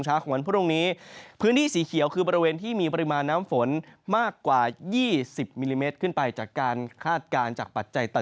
ของวันพรุ่งนี้พื้นที่สีเขียวคือบริเวณที่มีปริมาณน้ำฝนมากกว่า๒๐มิลลิเมตรขึ้นไปจากการคาดการณ์จากปัจจัยต่อ